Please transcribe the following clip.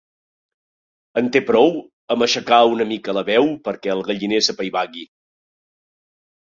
En té prou amb aixecar una mica la veu perquè el galliner s'apaivagui.